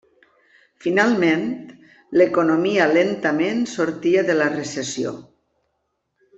Finalment, l'economia lentament sortia de la recessió.